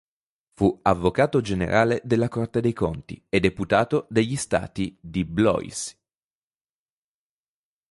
Fu avvocato generale della Corte dei Conti e deputato degli Stati di Blois.